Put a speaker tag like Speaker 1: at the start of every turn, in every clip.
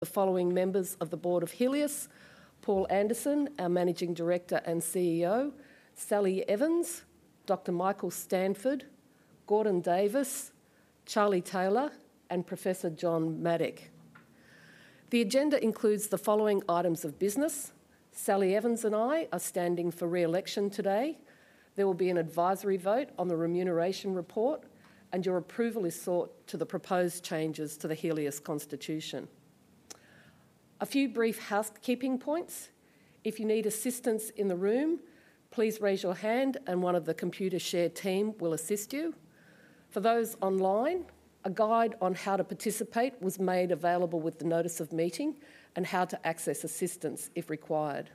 Speaker 1: The following members of the Board of Healius: Paul Anderson, our Managing Director and CEO. Sally Evans, Dr. Michael Stanford, Gordon Davis, Charlie Taylor, and Professor John Mattick. The agenda includes the following items of business: Sally Evans and I are standing for re-election today. There will be an advisory vote on the Remuneration Report. And your approval is sought to the proposed changes to the Healius Constitution. A few brief housekeeping points: if you need assistance in the room, please raise your hand, and one of the Computershare team will assist you. For those online, a guide on how to participate was made available with the Notice of Meeting and how to access assistance if required.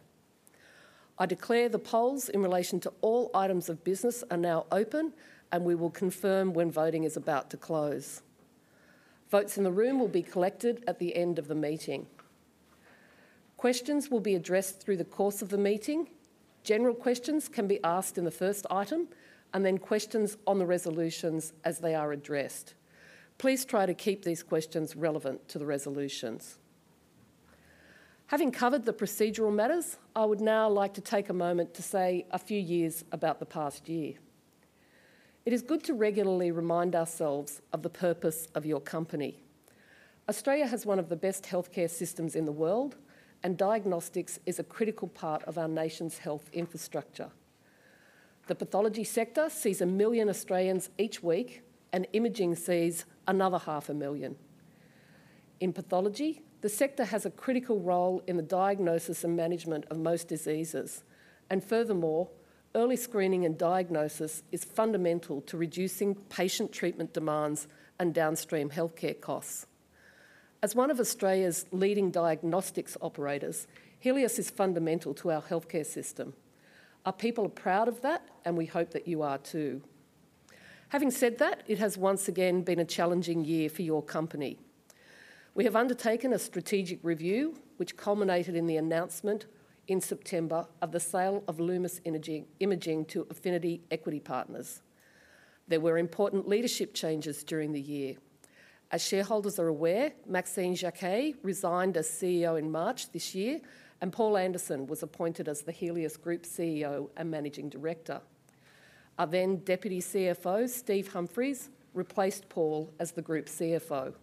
Speaker 1: I declare the polls in relation to all items of business are now open, and we will confirm when voting is about to close. Votes in the room will be collected at the end of the meeting. Questions will be addressed through the course of the meeting. General questions can be asked in the first item, and then questions on the resolutions as they are addressed. Please try to keep these questions relevant to the resolutions. Having covered the procedural matters, I would now like to take a moment to say a few words about the past year. It is good to regularly remind ourselves of the purpose of your company. Australia has one of the best healthcare systems in the world, and diagnostics is a critical part of our nation's health infrastructure. The pathology sector sees 1 million Australians each week, and imaging sees another 500,000. In pathology, the sector has a critical role in the diagnosis and management of most diseases, and furthermore, early screening and diagnosis is fundamental to reducing patient treatment demands and downstream healthcare costs. As one of Australia's leading diagnostics operators, Healius is fundamental to our healthcare system. Our people are proud of that, and we hope that you are too. Having said that, it has once again been a challenging year for your company. We have undertaken a strategic review, which culminated in the announcement in September of the sale of Lumus Imaging to Affinity Equity Partners. There were important leadership changes during the year. As shareholders are aware, Maxine Jaquet resigned as CEO in March this year, and Paul Anderson was appointed as the Healius Group CEO and Managing Director. Our then Deputy CFO, Steve Humphries, replaced Paul as the Group CFO.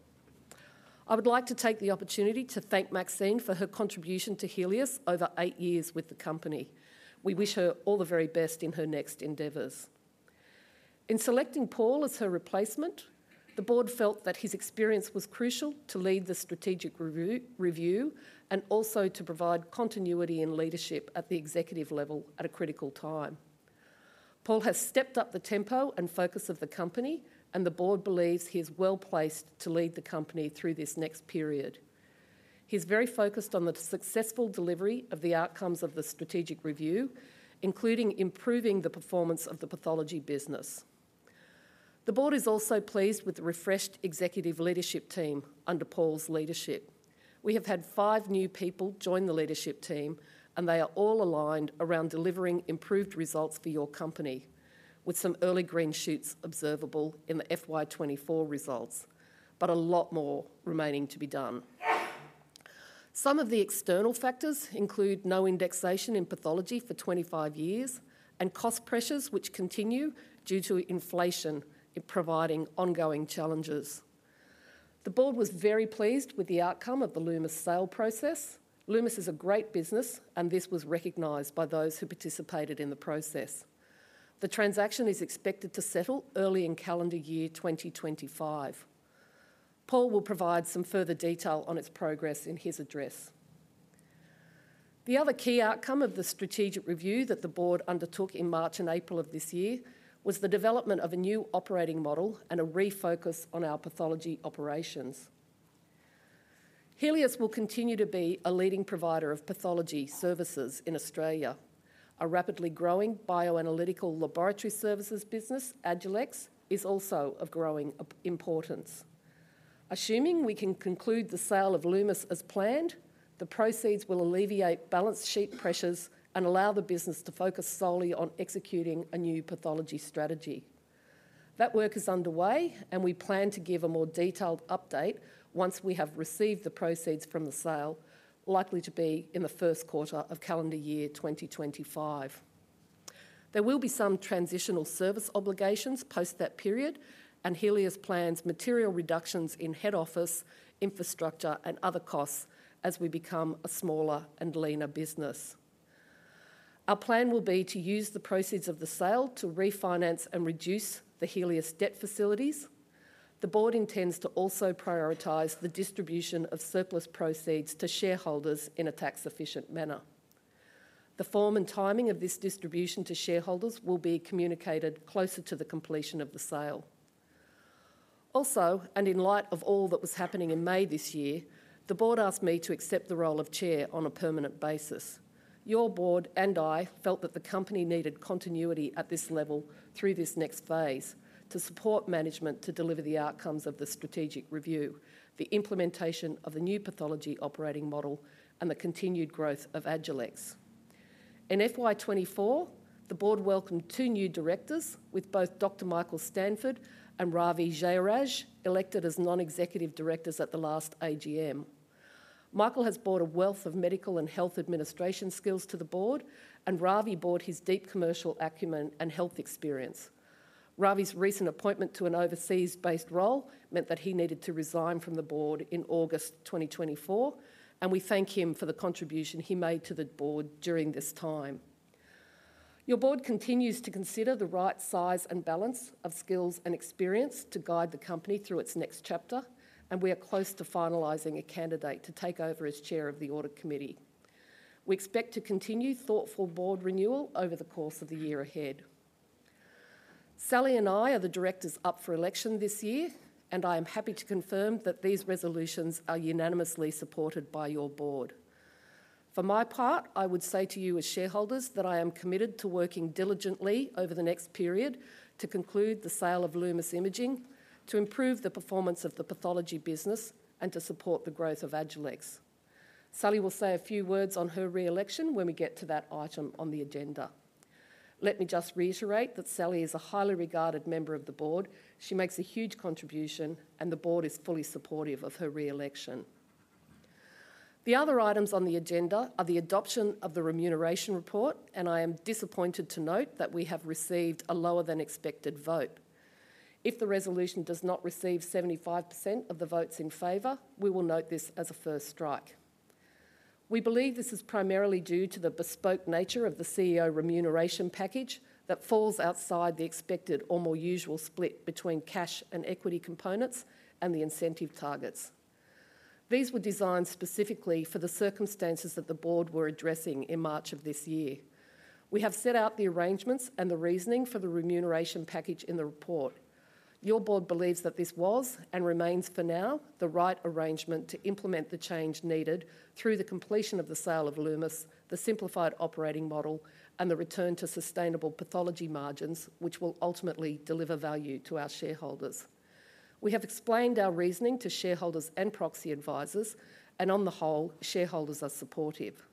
Speaker 1: I would like to take the opportunity to thank Maxine for her contribution to Healius over eight years with the company. We wish her all the very best in her next endeavors. In selecting Paul as her replacement, the Board felt that his experience was crucial to lead the Strategic Review and also to provide continuity in leadership at the executive level at a critical time. Paul has stepped up the tempo and focus of the company, and the Board believes he is well placed to lead the company through this next period. He is very focused on the successful delivery of the outcomes of the Strategic Review, including improving the performance of the pathology business. The Board is also pleased with the refreshed executive leadership team under Paul's leadership. We have had five new people join the leadership team, and they are all aligned around delivering improved results for your company, with some early green shoots observable in the FY24 results, but a lot more remaining to be done. Some of the external factors include no indexation in pathology for 25 years and cost pressures, which continue due to inflation, providing ongoing challenges. The board was very pleased with the outcome of the Lumus sale process. Lumus Imaging is a great business, and this was recognized by those who participated in the process. The transaction is expected to settle early in calendar year 2025. Paul will provide some further detail on its progress in his address. The other key outcome of the strategic review that the board undertook in March and April of this year was the development of a new operating model and a refocus on our pathology operations. Healius will continue to be a leading provider of pathology services in Australia. Our rapidly growing bioanalytical laboratory services business, Agilex, is also of growing importance. Assuming we can conclude the sale of Lumus Imaging as planned, the proceeds will alleviate balance sheet pressures and allow the business to focus solely on executing a new pathology strategy. That work is underway, and we plan to give a more detailed update once we have received the proceeds from the sale, likely to be in the first quarter of calendar year 2025. There will be some transitional service obligations post that period, and Healius plans material reductions in head office, infrastructure, and other costs as we become a smaller and leaner business. Our plan will be to use the proceeds of the sale to refinance and reduce the Healius debt facilities. The board intends to also prioritize the distribution of surplus proceeds to shareholders in a tax-efficient manner. The form and timing of this distribution to shareholders will be communicated closer to the completion of the sale. Also, and in light of all that was happening in May this year, the board asked me to accept the role of chair on a permanent basis. Your board and I felt that the company needed continuity at this level through this next phase to support management to deliver the outcomes of the strategic review, the implementation of the new pathology operating model, and the continued growth of Agilex. In FY24, the board welcomed two new directors, with both Dr. Michael Stanford and Ravi Jeyaraj elected as non-executive directors at the last AGM. Michael has brought a wealth of medical and health administration skills to the board, and Ravi brought his deep commercial acumen and health experience. Ravi's recent appointment to an overseas-based role meant that he needed to resign from the board in August 2024, and we thank him for the contribution he made to the board during this time. Your board continues to consider the right size and balance of skills and experience to guide the company through its next chapter, and we are close to finalizing a candidate to take over as chair of the Audit Committee. We expect to continue thoughtful board renewal over the course of the year ahead. Sally and I are the directors up for election this year, and I am happy to confirm that these resolutions are unanimously supported by your board. For my part, I would say to you as shareholders that I am committed to working diligently over the next period to conclude the sale of Lumus Imaging, to improve the performance of the pathology business, and to support the growth of Agilex. Sally will say a few words on her re-election when we get to that item on the agenda. Let me just reiterate that Sally is a highly regarded member of the board. She makes a huge contribution, and the board is fully supportive of her re-election. The other items on the agenda are the adoption of the Remuneration Report, and I am disappointed to note that we have received a lower-than-expected vote. If the resolution does not receive 75% of the votes in favor, we will note this as a first strike. We believe this is primarily due to the bespoke nature of the CEO remuneration package that falls outside the expected or more usual split between cash and equity components and the incentive targets. These were designed specifically for the circumstances that the board were addressing in March of this year. We have set out the arrangements and the reasoning for the remuneration package in the report. Your board believes that this was and remains for now the right arrangement to implement the change needed through the completion of the sale of Lumus Imaging, the simplified operating model, and the return to sustainable pathology margins, which will ultimately deliver value to our shareholders. We have explained our reasoning to shareholders and proxy advisors, and on the whole, shareholders are supportive.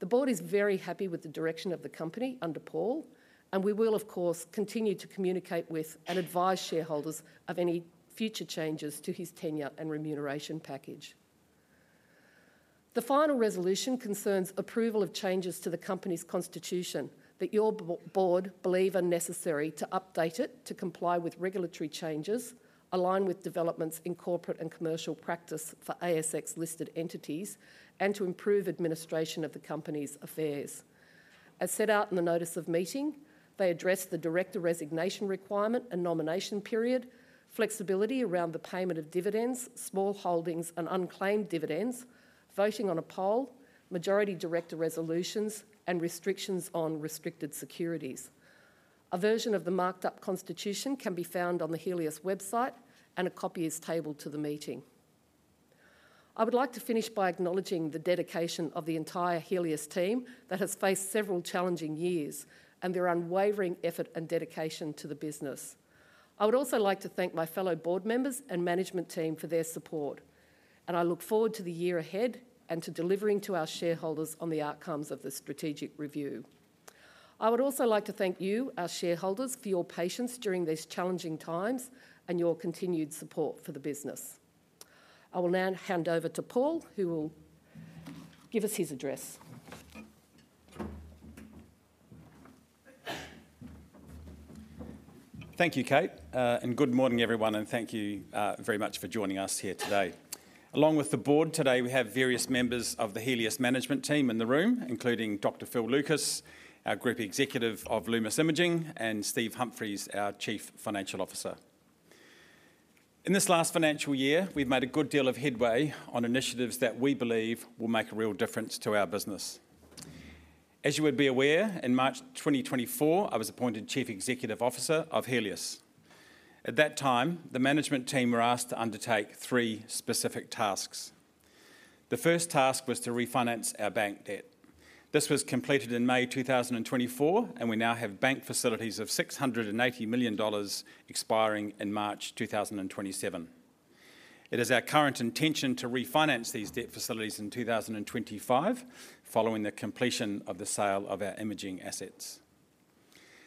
Speaker 1: The board is very happy with the direction of the company under Paul, and we will, of course, continue to communicate with and advise shareholders of any future changes to his tenure and remuneration package. The final resolution concerns approval of changes to the company's Constitution that your board believe are necessary to update it to comply with regulatory changes, align with developments in corporate and commercial practice for ASX-listed entities, and to improve administration of the company's affairs. As set out in the notice of meeting, they address the director resignation requirement and nomination period, flexibility around the payment of dividends, small holdings, and unclaimed dividends, voting on a poll, majority director resolutions, and restrictions on restricted securities. A version of the marked-up Constitution can be found on the Healius website, and a copy is tabled to the meeting. I would like to finish by acknowledging the dedication of the entire Healius team that has faced several challenging years and their unwavering effort and dedication to the business. I would also like to thank my fellow board members and management team for their support, and I look forward to the year ahead and to delivering to our shareholders on the outcomes of the strategic review. I would also like to thank you, our shareholders, for your patience during these challenging times and your continued support for the business. I will now hand over to Paul, who will give us his address.
Speaker 2: Thank you, Kate, and good morning, everyone, and thank you very much for joining us here today. Along with the board today, we have various members of the Healius management team in the room, including Dr. Phil Lucas, our Group Executive of Lumus Imaging, and Steve Humphries, our Chief Financial Officer. In this last financial year, we've made a good deal of headway on initiatives that we believe will make a real difference to our business. As you would be aware, in March 2024, I was appointed Chief Executive Officer of Healius. At that time, the management team were asked to undertake three specific tasks. The first task was to refinance our bank debt. This was completed in May 2024, and we now have bank facilities of 680 million dollars expiring in March 2027. It is our current intention to refinance these debt facilities in 2025, following the completion of the sale of our imaging assets.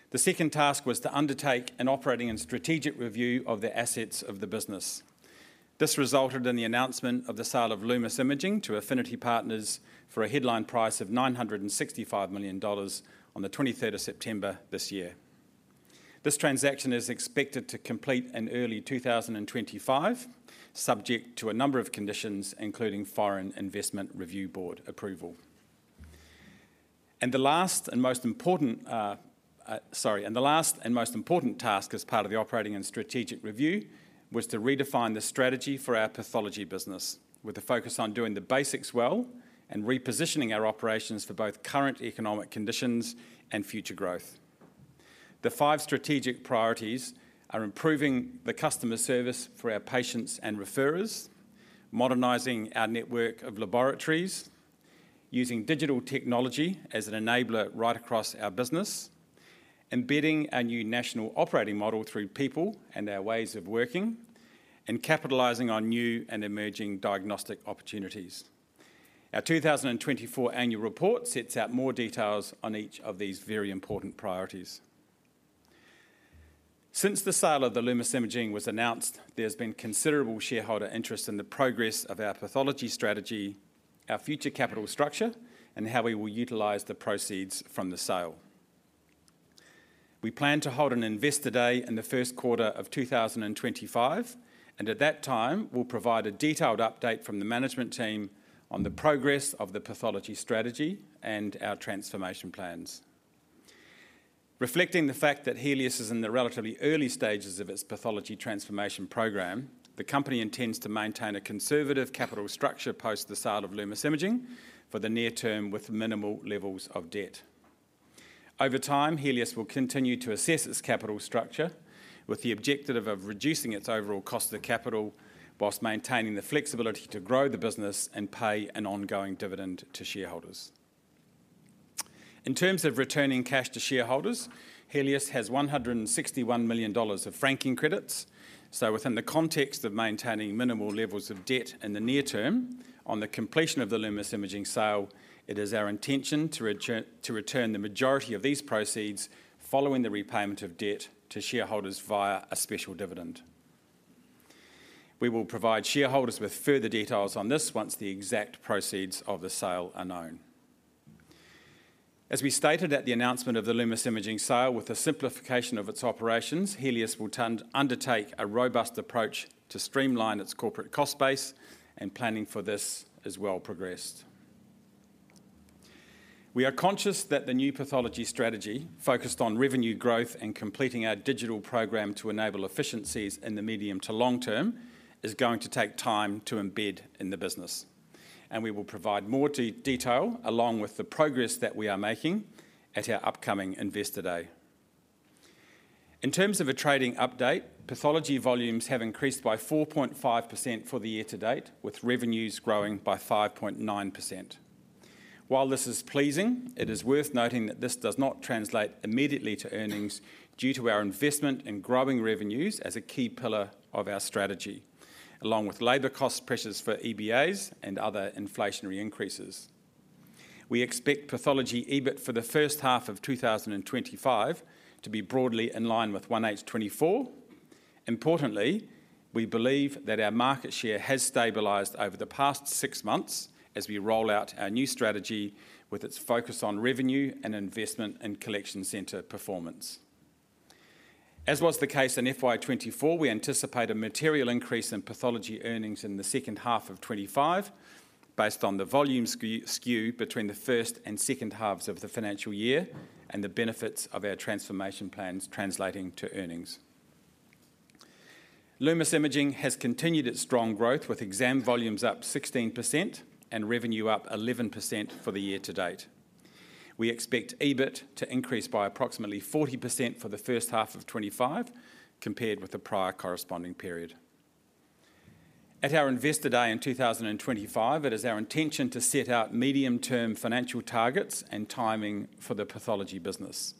Speaker 2: The second task was to undertake an operating and strategic review of the assets of the business. This resulted in the announcement of the sale of Lumus Imaging to Affinity Equity Partners for a headline price of 965 million dollars on the 23rd of September this year. This transaction is expected to complete in early 2025, subject to a number of conditions, including Foreign Investment Review Board approval. And the last and most important task as part of the operating and strategic review was to redefine the strategy for our pathology business, with a focus on doing the basics well and repositioning our operations for both current economic conditions and future growth. The five strategic priorities are improving the customer service for our patients and referrers, modernizing our network of laboratories, using digital technology as an enabler right across our business, embedding our new national operating model through people and our ways of working, and capitalizing on new and emerging diagnostic opportunities. Our 2024 annual report sets out more details on each of these very important priorities. Since the sale of the Lumus Imaging was announced, there has been considerable shareholder interest in the progress of our pathology strategy, our future capital structure, and how we will utilize the proceeds from the sale. We plan to hold an investor day in the first quarter of 2025, and at that time, we'll provide a detailed update from the management team on the progress of the pathology strategy and our transformation plans. Reflecting the fact that Healius is in the relatively early stages of its pathology transformation program, the company intends to maintain a conservative capital structure post the sale of Lumus Imaging for the near term with minimal levels of debt. Over time, Healius will continue to assess its capital structure with the objective of reducing its overall cost of capital while maintaining the flexibility to grow the business and pay an ongoing dividend to shareholders. In terms of returning cash to shareholders, Healius has 161 million dollars of franking credits. So, within the context of maintaining minimal levels of debt in the near term on the completion of the Lumus Imaging sale, it is our intention to return the majority of these proceeds following the repayment of debt to shareholders via a special dividend. We will provide shareholders with further details on this once the exact proceeds of the sale are known. As we stated at the announcement of the Lumus Imaging sale, with the simplification of its operations, Healius will undertake a robust approach to streamline its corporate cost base, and planning for this has well progressed. We are conscious that the new pathology strategy, focused on revenue growth and completing our digital program to enable efficiencies in the medium to long term, is going to take time to embed in the business, and we will provide more detail along with the progress that we are making at our upcoming investor day. In terms of a trading update, pathology volumes have increased by 4.5% for the year to date, with revenues growing by 5.9%. While this is pleasing, it is worth noting that this does not translate immediately to earnings due to our investment in growing revenues as a key pillar of our strategy, along with labor cost pressures for EBAs and other inflationary increases. We expect pathology EBIT for the first half of 2025 to be broadly in line with 1H24. Importantly, we believe that our market share has stabilized over the past six months as we roll out our new strategy with its focus on revenue and investment and collection center performance. As was the case in FY24, we anticipate a material increase in pathology earnings in the second half of 2025, based on the volume skew between the first and second halves of the financial year and the benefits of our transformation plans translating to earnings. Lumus Imaging has continued its strong growth, with exam volumes up 16% and revenue up 11% for the year to date. We expect EBIT to increase by approximately 40% for the first half of 2025, compared with the prior corresponding period. At our investor day in 2025, it is our intention to set out medium-term financial targets and timing for the pathology business.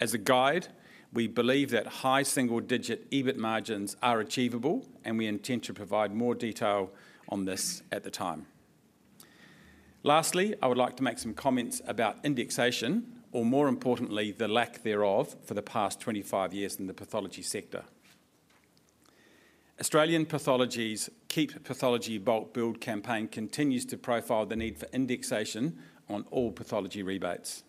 Speaker 2: As a guide, we believe that high single-digit EBIT margins are achievable, and we intend to provide more detail on this at the time. Lastly, I would like to make some comments about indexation, or more importantly, the lack thereof for the past 25 years in the pathology sector. Australian Pathology's Keep Pathology Bulk Billed campaign continues to profile the need for indexation on all pathology rebates.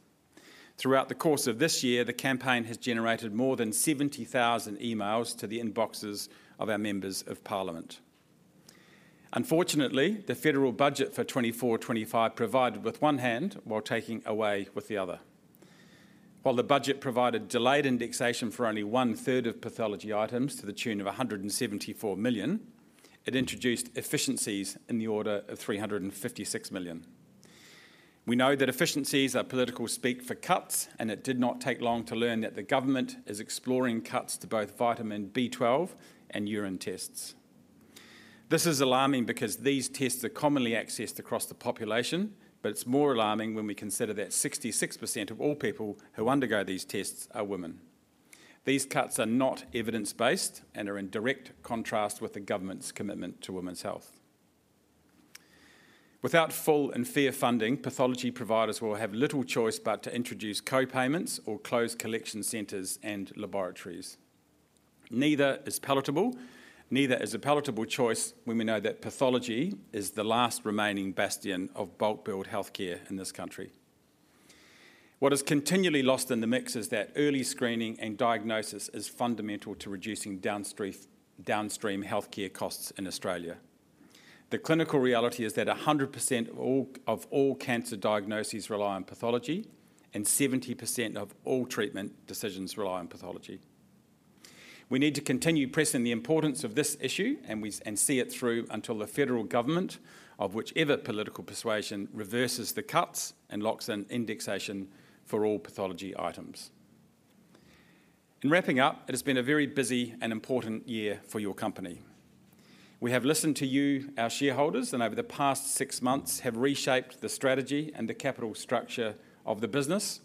Speaker 2: Throughout the course of this year, the campaign has generated more than 70,000 emails to the inboxes of our members of Parliament. Unfortunately, the federal budget for 2024-25 provided with one hand while taking away with the other. While the budget provided delayed indexation for only one-third of pathology items to the tune of 174 million, it introduced efficiencies in the order of 356 million. We know that efficiencies are political speak for cuts, and it did not take long to learn that the government is exploring cuts to both vitamin B12 and urine tests. This is alarming because these tests are commonly accessed across the population, but it's more alarming when we consider that 66% of all people who undergo these tests are women. These cuts are not evidence-based and are in direct contrast with the government's commitment to women's health. Without full and fair funding, pathology providers will have little choice but to introduce co-payments or close collection centers and laboratories. Neither is palatable, neither is a palatable choice when we know that pathology is the last remaining bastion of bulk-billed healthcare in this country. What is continually lost in the mix is that early screening and diagnosis is fundamental to reducing downstream healthcare costs in Australia. The clinical reality is that 100% of all cancer diagnoses rely on pathology, and 70% of all treatment decisions rely on pathology. We need to continue pressing the importance of this issue and see it through until the federal government, of whichever political persuasion, reverses the cuts and locks in indexation for all pathology items. In wrapping up, it has been a very busy and important year for your company. We have listened to you, our shareholders, and over the past six months have reshaped the strategy and the capital structure of the business,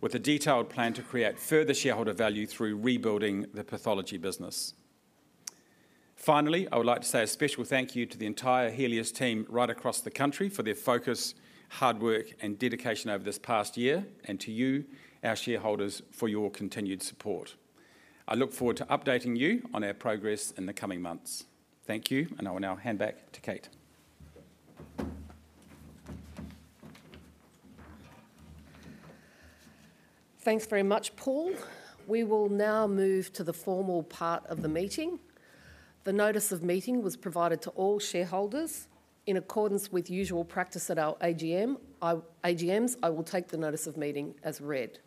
Speaker 2: with a detailed plan to create further shareholder value through rebuilding the pathology business. Finally, I would like to say a special thank you to the entire Healius team right across the country for their focus, hard work, and dedication over this past year, and to you, our shareholders, for your continued support. I look forward to updating you on our progress in the coming months. Thank you, and I will now hand back to Kate.
Speaker 1: Thanks very much, Paul. We will now move to the formal part of the meeting. The notice of meeting was provided to all shareholders. In accordance with usual practice at our AGMs, I will take the notice of meeting as read.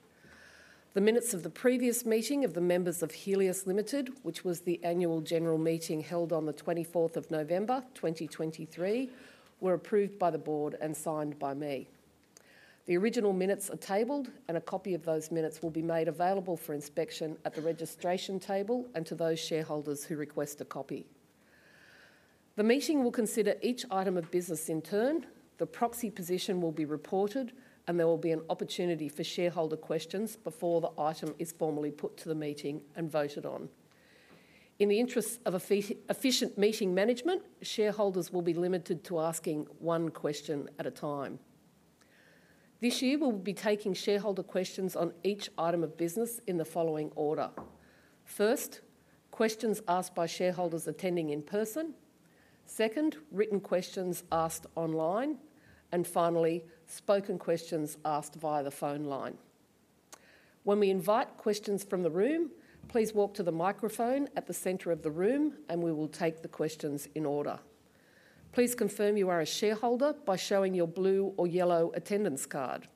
Speaker 1: The minutes of the previous meeting of the members of Healius Limited, which was the annual general meeting held on the 24th of November 2023, were approved by the board and signed by me. The original minutes are tabled, and a copy of those minutes will be made available for inspection at the registration table and to those shareholders who request a copy. The meeting will consider each item of business in turn. The proxy position will be reported, and there will be an opportunity for shareholder questions before the item is formally put to the meeting and voted on. In the interest of efficient meeting management, shareholders will be limited to asking one question at a time. This year, we will be taking shareholder questions on each item of business in the following order. First, questions asked by shareholders attending in person. Second, written questions asked online. And finally, spoken questions asked via the phone line. When we invite questions from the room, please walk to the microphone at the center of the room, and we will take the questions in order. Please confirm you are a shareholder by showing your blue or yellow attendance card.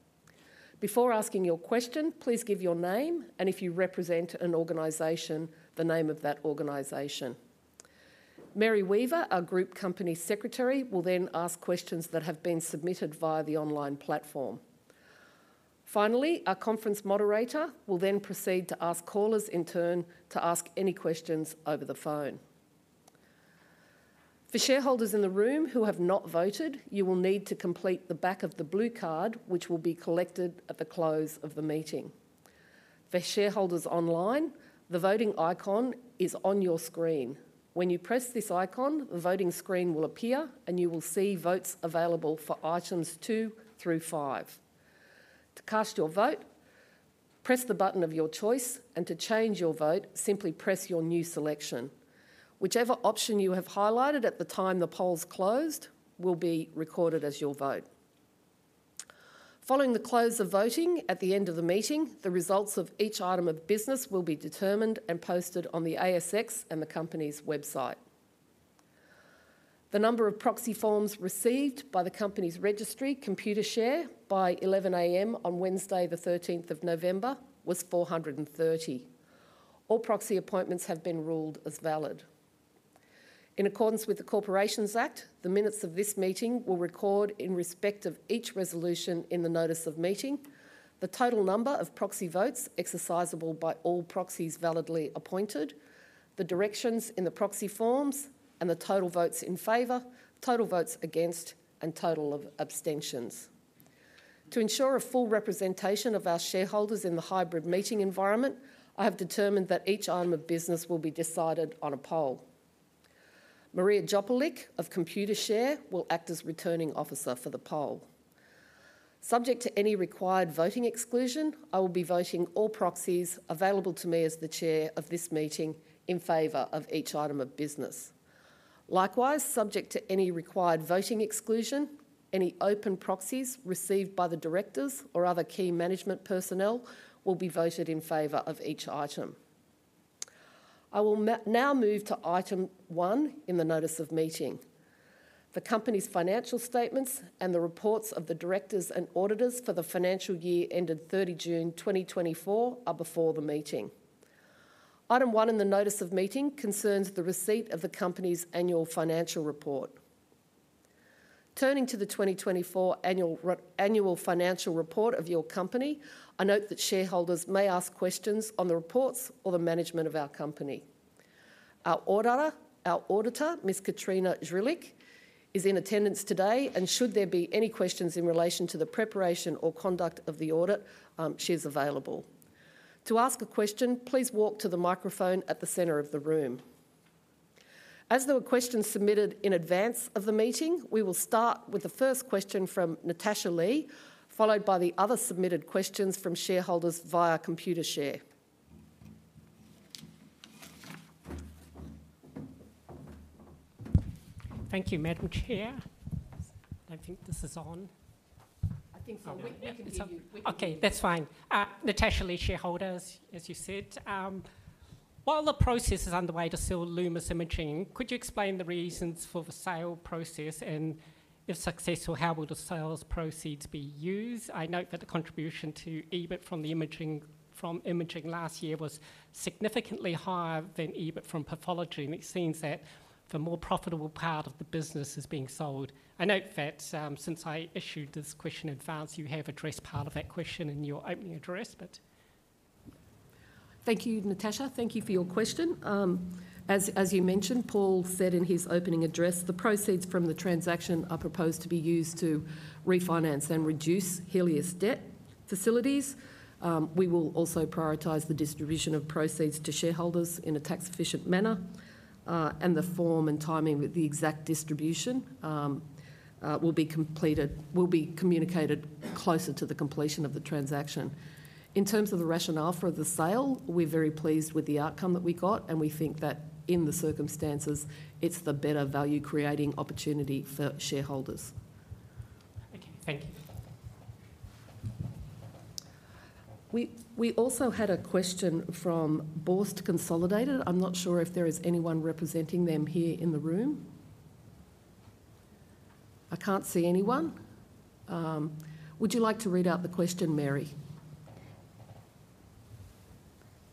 Speaker 1: Before asking your question, please give your name and, if you represent an organization, the name of that organization. Mary Weaver, our Group Company Secretary, will then ask questions that have been submitted via the online platform. Finally, our conference moderator will then proceed to ask callers in turn to ask any questions over the phone. For shareholders in the room who have not voted, you will need to complete the back of the blue card, which will be collected at the close of the meeting. For shareholders online, the voting icon is on your screen. When you press this icon, the voting screen will appear, and you will see votes available for items two through five. To cast your vote, press the button of your choice, and to change your vote, simply press your new selection. Whichever option you have highlighted at the time the polls closed will be recorded as your vote. Following the close of voting, at the end of the meeting, the results of each item of business will be determined and posted on the ASX and the company's website. The number of proxy forms received by the company's registry, Computershare, by 11:00 A.M. on Wednesday, the 13th of November, was 430. All proxy appointments have been ruled as valid. In accordance with the Corporations Act, the minutes of this meeting will record in respect of each resolution in the notice of meeting, the total number of proxy votes exercisable by all proxies validly appointed, the directions in the proxy forms, and the total votes in favor, total votes against, and total of abstentions. To ensure a full representation of our shareholders in the hybrid meeting environment, I have determined that each item of business will be decided on a poll. Maria Djupelic of Computershare will act as returning officer for the poll. Subject to any required voting exclusion, I will be voting all proxies available to me as the Chair of this meeting in favor of each item of business. Likewise, subject to any required voting exclusion, any open proxies received by the directors or other key management personnel will be voted in favor of each item. I will now move to item one in the notice of meeting. The company's financial statements and the reports of the directors and auditors for the financial year ended 30 June 2024 are before the meeting. Item one in the notice of meeting concerns the receipt of the company's annual financial report. Turning to the 2024 annual financial report of your company, I note that shareholders may ask questions on the reports or the management of our company. Our auditor, Ms. Katrina Zdrilic is in attendance today, and should there be any questions in relation to the preparation or conduct of the audit, she is available. To ask a question, please walk to the microphone at the center of the room. As there were questions submitted in advance of the meeting, we will start with the first question from Natasha Lee, followed by the other submitted questions from shareholders via Computershare.
Speaker 3: Thank you, Madam Chair. I think this is on.
Speaker 4: I think so.
Speaker 3: Okay, that's fine. Natasha Lee, shareholders, as you said, while the process is underway to sell Lumus Imaging, could you explain the reasons for the sale process, and if successful, how will the sales proceeds be used? I note that the contribution to EBIT from imaging last year was significantly higher than EBIT from pathology, and it seems that the more profitable part of the business is being sold. I note that since I issued this question in advance, you have addressed part of that question in your opening address, but.
Speaker 1: Thank you, Natasha. Thank you for your question. As you mentioned, Paul said in his opening address, the proceeds from the transaction are proposed to be used to refinance and reduce Healius debt facilities. We will also prioritize the distribution of proceeds to shareholders in a tax-efficient manner, and the form and timing with the exact distribution will be communicated closer to the completion of the transaction. In terms of the rationale for the sale, we're very pleased with the outcome that we got, and we think that in the circumstances, it's the better value-creating opportunity for shareholders.
Speaker 3: Okay, thank you.
Speaker 1: We also had a question from Vost Consolidated. I'm not sure if there is anyone representing them here in the room. I can't see anyone. Would you like to read out the question, Mary?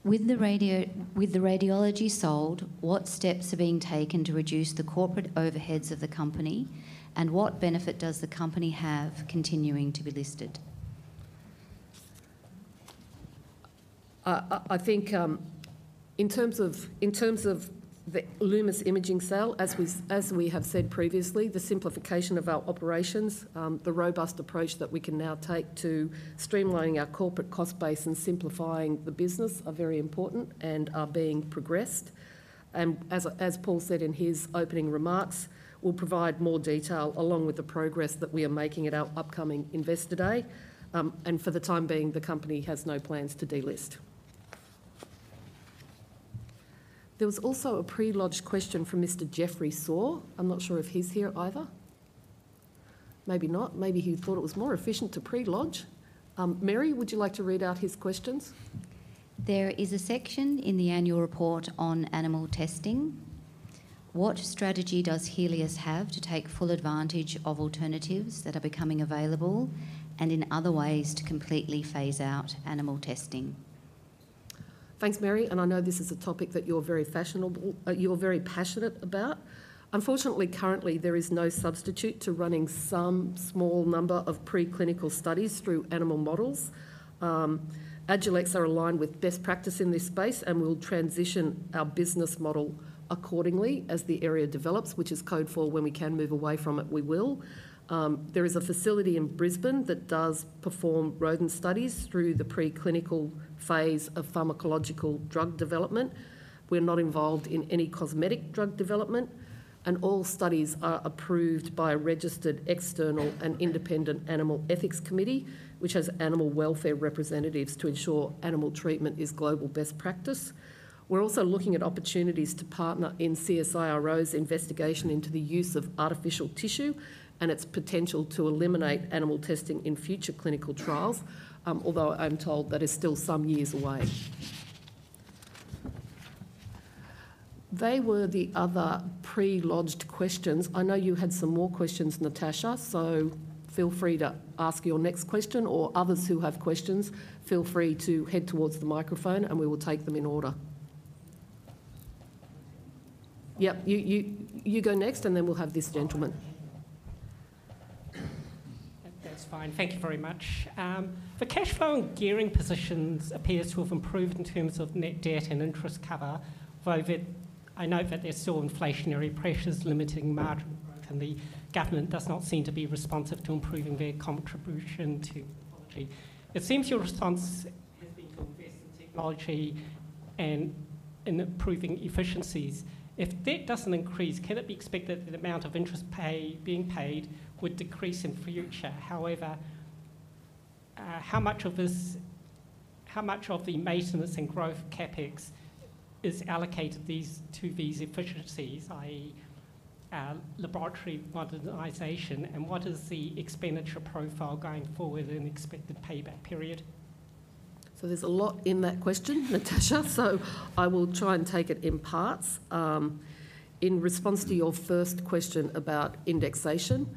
Speaker 5: With the radiology sold, what steps are being taken to reduce the corporate overheads of the company, and what benefit does the company have continuing to be listed?
Speaker 1: I think in terms of the Lumus Imaging sale, as we have said previously, the simplification of our operations, the robust approach that we can now take to streamlining our corporate cost base and simplifying the business are very important and are being progressed. And as Paul said in his opening remarks, we'll provide more detail along with the progress that we are making at our upcoming investor day. And for the time being, the company has no plans to delist. There was also a pre-lodged question from Mr. Jeffrey Saw. I'm not sure if he's here either. Maybe not. Maybe he thought it was more efficient to pre-lodge. Mary, would you like to read out his questions?
Speaker 5: There is a section in the annual report on animal testing. What strategy does Healius have to take full advantage of alternatives that are becoming available and in other ways to completely phase out animal testing?
Speaker 1: Thanks, Mary, and I know this is a topic that you're very passionate about. Unfortunately, currently, there is no substitute to running some small number of preclinical studies through animal models. Agilex are aligned with best practice in this space, and we'll transition our business model accordingly as the area develops, which is code for when we can move away from it, we will. There is a facility in Brisbane that does perform rodent studies through the preclinical phase of pharmacological drug development. We're not involved in any cosmetic drug development, and all studies are approved by a registered external and independent animal ethics committee, which has animal welfare representatives to ensure animal treatment is global best practice. We're also looking at opportunities to partner in CSIRO's investigation into the use of artificial tissue and its potential to eliminate animal testing in future clinical trials, although I'm told that is still some years away. They were the other pre-lodged questions. I know you had some more questions, Natasha, so feel free to ask your next question, or others who have questions, feel free to head towards the microphone, and we will take them in order. Yep, you go next, and then we'll have this gentleman.
Speaker 3: That's fine. Thank you very much. The cash flow and gearing positions appear to have improved in terms of net debt and interest cover, though I note that there's still inflationary pressures limiting margin growth, and the government does not seem to be responsive to improving their contribution to technology. It seems your response has been to invest in technology and improving efficiencies. If that doesn't increase, can it be expected that the amount of interest being paid would decrease in future? However, how much of the maintenance and growth CapEx is allocated to these efficiencies, i.e., laboratory modernization, and what is the expenditure profile going forward and expected payback period?
Speaker 1: So there's a lot in that question, Natasha, so I will try and take it in parts. In response to your first question about indexation,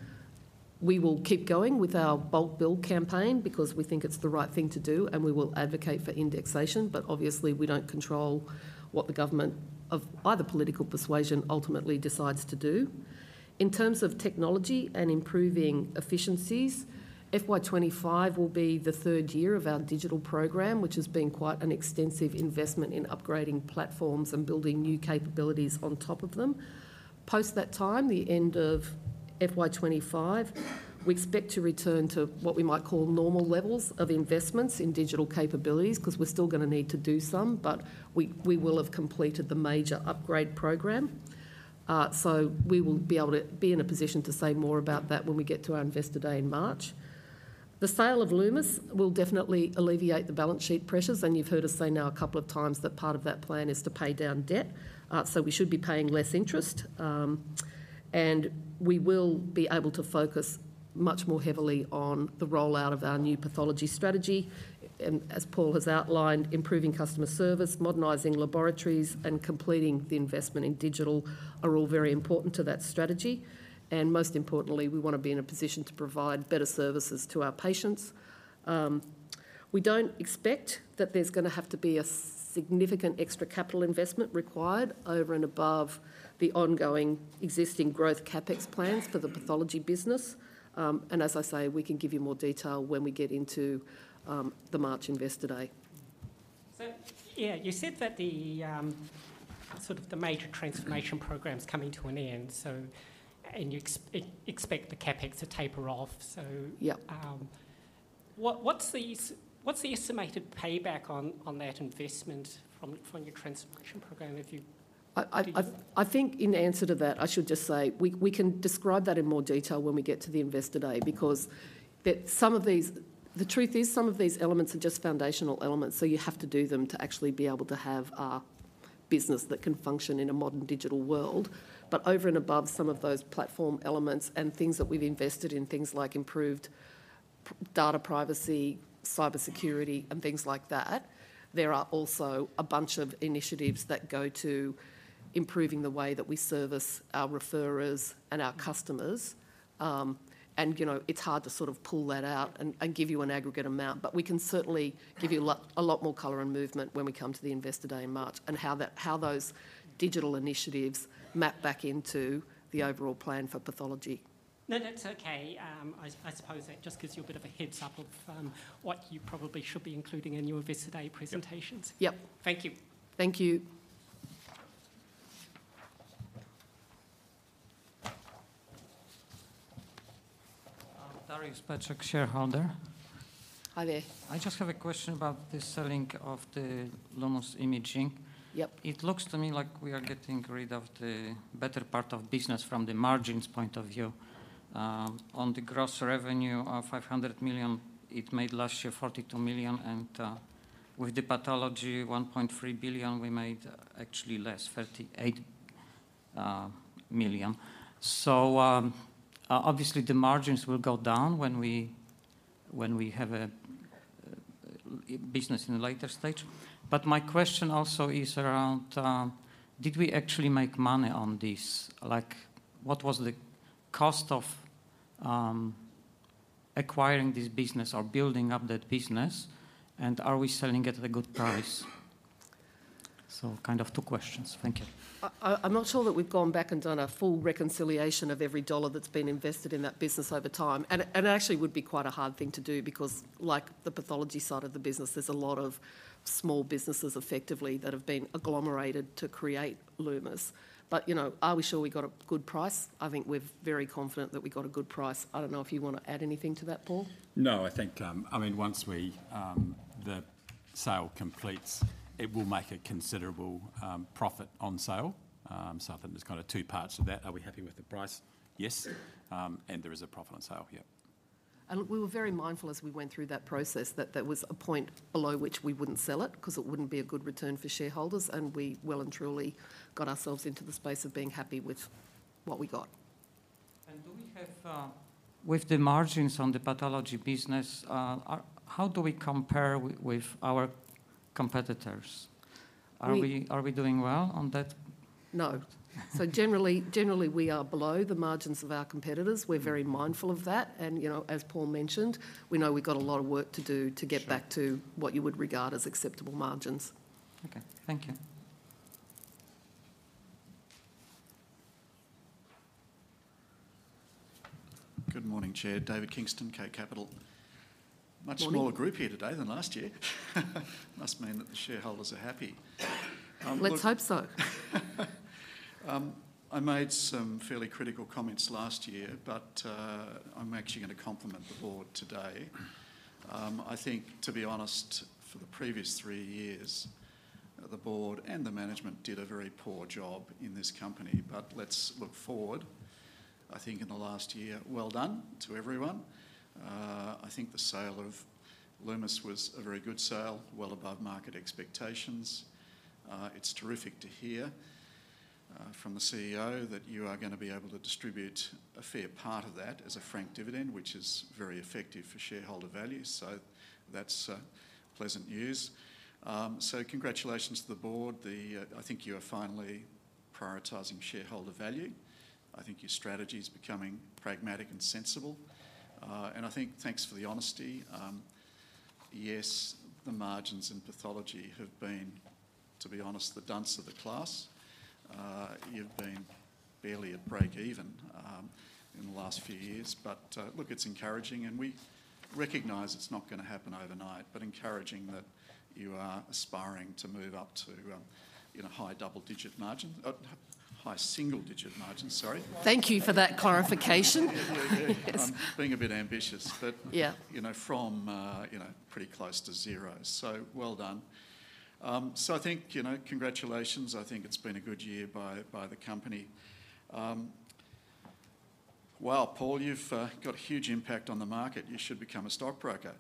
Speaker 1: we will keep going with our bulk bill campaign because we think it's the right thing to do, and we will advocate for indexation, but obviously, we don't control what the government of either political persuasion ultimately decides to do. In terms of technology and improving efficiencies, FY25 will be the third year of our digital program, which has been quite an extensive investment in upgrading platforms and building new capabilities on top of them. Post that time, the end of FY25, we expect to return to what we might call normal levels of investments in digital capabilities because we're still going to need to do some, but we will have completed the major upgrade program. So we will be able to be in a position to say more about that when we get to our investor day in March. The sale of Lumus Imaging will definitely alleviate the balance sheet pressures, and you've heard us say now a couple of times that part of that plan is to pay down debt, so we should be paying less interest. And we will be able to focus much more heavily on the rollout of our new pathology strategy. And as Paul has outlined, improving customer service, modernizing laboratories, and completing the investment in digital are all very important to that strategy. And most importantly, we want to be in a position to provide better services to our patients. We don't expect that there's going to have to be a significant extra capital investment required over and above the ongoing existing growth CapEx plans for the pathology business. As I say, we can give you more detail when we get into the March investor day.
Speaker 3: Yeah, you said that sort of the major transformation program's coming to an end, and you expect the CapEx to taper off. So what's the estimated payback on that investment from your transformation program?
Speaker 1: I think in answer to that, I should just say we can describe that in more detail when we get to the investor day because some of these, the truth is, some of these elements are just foundational elements, so you have to do them to actually be able to have a business that can function in a modern digital world. But over and above some of those platform elements and things that we've invested in, things like improved data privacy, cybersecurity, and things like that, there are also a bunch of initiatives that go to improving the way that we service our referrers and our customers. It's hard to sort of pull that out and give you an aggregate amount, but we can certainly give you a lot more color and movement when we come to the investor day in March and how those digital initiatives map back into the overall plan for pathology.
Speaker 3: No, that's okay. I suppose that just because you're a bit of a heads-up of what you probably should be including in your investor day presentations.
Speaker 1: Yep.
Speaker 3: Thank you.
Speaker 1: Thank you.
Speaker 3: That is Patrick Shareholder.
Speaker 1: Hi there.
Speaker 3: I just have a question about the selling of the Lumus Imaging. It looks to me like we are getting rid of the better part of business from the margins point of view. On the gross revenue of 500 million, it made last year 42 million, and with the pathology, 1.3 billion, we made actually less, 38 million. So obviously, the margins will go down when we have a business in a later stage. But my question also is around, did we actually make money on this? What was the cost of acquiring this business or building up that business, and are we selling it at a good price? So kind of two questions. Thank you.
Speaker 1: I'm not sure that we've gone back and done a full reconciliation of every dollar that's been invested in that business over time. And it actually would be quite a hard thing to do because like the pathology side of the business, there's a lot of small businesses effectively that have been agglomerated to create Lumus Imaging. But are we sure we got a good price? I think we're very confident that we got a good price. I don't know if you want to add anything to that, Paul.
Speaker 2: No, I think, I mean, once the sale completes, it will make a considerable profit on sale. So I think there's kind of two parts to that. Are we happy with the price? Yes. And there is a profit on sale, yep.
Speaker 1: We were very mindful as we went through that process that there was a point below which we wouldn't sell it because it wouldn't be a good return for shareholders, and we well and truly got ourselves into the space of being happy with what we got.
Speaker 3: With the margins on the pathology business, how do we compare with our competitors? Are we doing well on that?
Speaker 1: No, so generally, we are below the margins of our competitors. We're very mindful of that, and as Paul mentioned, we know we've got a lot of work to do to get back to what you would regard as acceptable margins.
Speaker 3: Okay, thank you. Good morning, Chair. David Kingston, K Capital. Much smaller group here today than last year. Must mean that the shareholders are happy.
Speaker 6: Let's hope so.
Speaker 3: I made some fairly critical comments last year, but I'm actually going to compliment the board today. I think, to be honest, for the previous three years, the board and the management did a very poor job in this company, but let's look forward. I think in the last year, well done to everyone. I think the sale of Lumus Imaging was a very good sale, well above market expectations. It's terrific to hear from the CEO that you are going to be able to distribute a fair part of that as a franked dividend, which is very effective for shareholder value. So that's pleasant news. So congratulations to the board. I think you are finally prioritizing shareholder value. I think your strategy is becoming pragmatic and sensible. And I think thanks for the honesty. Yes, the margins in pathology have been, to be honest, the dunce of the class. You've been barely at break even in the last few years. But look, it's encouraging, and we recognize it's not going to happen overnight, but encouraging that you are aspiring to move up to high double-digit margins, high single-digit margins, sorry.
Speaker 1: Thank you for that clarification.
Speaker 3: Being a bit ambitious, but from pretty close to zero. Well done. I think congratulations. I think it's been a good year by the company. Wow, Paul, you've got a huge impact on the market. You should become a stock broker.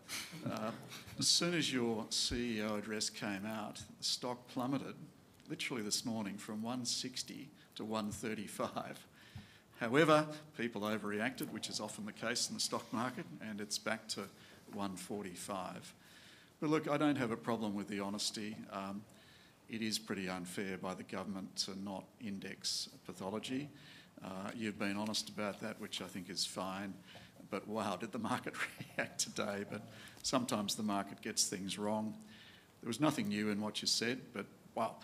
Speaker 3: As soon as your CEO address came out, the stock plummeted literally this morning from 160 to 135. However, people overreacted, which is often the case in the stock market, and it's back to 145. Look, I don't have a problem with the honesty. It is pretty unfair by the government to not index pathology. You've been honest about that, which I think is fine. Wow, did the market react today? Sometimes the market gets things wrong. There was nothing new in what you said, but wow,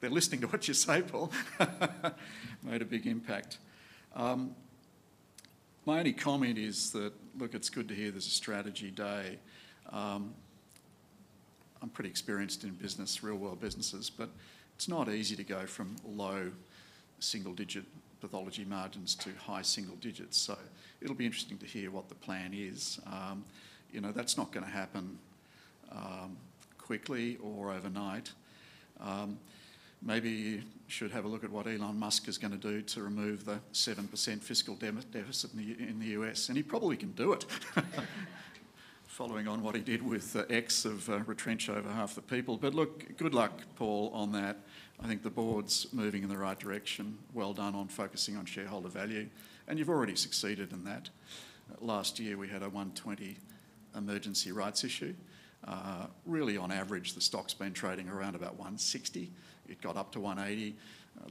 Speaker 3: they're listening to what you say, Paul. Made a big impact. My only comment is that, look, it's good to hear there's a strategy day. I'm pretty experienced in business, real-world businesses, but it's not easy to go from low single-digit pathology margins to high single digits. So it'll be interesting to hear what the plan is. That's not going to happen quickly or overnight. Maybe you should have a look at what Elon Musk is going to do to remove the 7% fiscal deficit in the U.S. And he probably can do it, following on what he did with X to retrench over half the people. But look, good luck, Paul, on that. I think the board's moving in the right direction. Well done on focusing on shareholder value. And you've already succeeded in that. Last year, we had a 1.20 emergency rights issue. Really, on average, the stock's been trading around about 1.60. It got up to 1.80.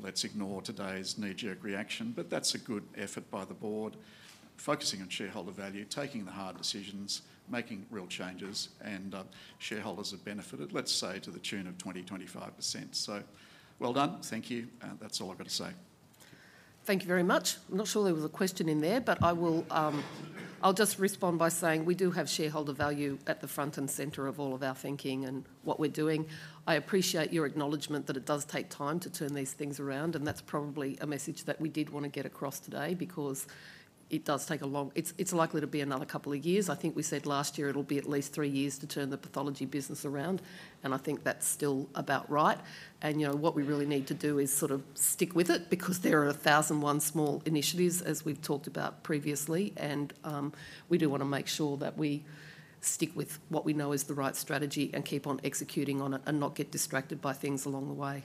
Speaker 3: Let's ignore today's knee-jerk reaction, but that's a good effort by the board, focusing on shareholder value, taking the hard decisions, making real changes, and shareholders have benefited, let's say, to the tune of 20%-25%. So well done. Thank you. That's all I've got to say.
Speaker 1: Thank you very much. I'm not sure there was a question in there, but I'll just respond by saying we do have shareholder value at the front and center of all of our thinking and what we're doing. I appreciate your acknowledgment that it does take time to turn these things around, and that's probably a message that we did want to get across today because it does take a long, it's likely to be another couple of years. I think we said last year it'll be at least three years to turn the pathology business around, and I think that's still about right. And what we really need to do is sort of stick with it because there are a thousand and one small initiatives, as we've talked about previously, and we do want to make sure that we stick with what we know is the right strategy and keep on executing on it and not get distracted by things along the way.